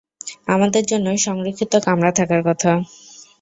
আমাদের জন্য সংরক্ষিত কামরা থাকার কথা!